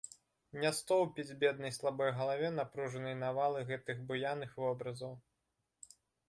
Не стоўпіць беднай слабой галаве напружнай навалы гэтых буяных вобразаў.